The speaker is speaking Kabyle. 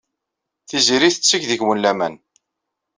Tiziri tetteg deg-wen laman.